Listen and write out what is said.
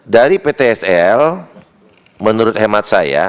dari ptsl menurut hemat saya